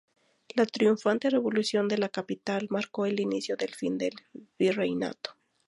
La triunfante revolución de la capital marcó el inicio del fin del virreinato.